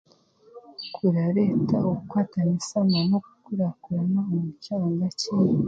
Kurareeta okukwatanisa na n'okukurakurana omu kyanga kyaitu